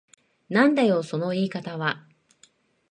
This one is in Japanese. なんだよその言い方は。